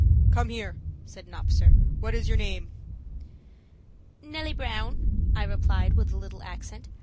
"Come here," said an officer. "What is your name?" "Nellie Brown," I replied, with a little accent.